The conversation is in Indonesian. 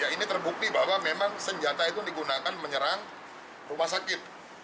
ini terbukti bahwa memang senjata itu digunakan menyerang rumah sakit